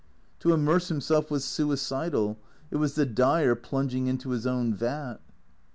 To immerse him self was suicidal ; it was the dyer plunging into his own vat.